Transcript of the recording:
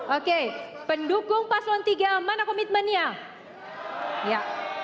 oke pendukung paslon tiga mana komitmennya